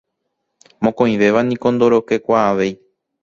Mokõivéva niko ndorokekuaavéi.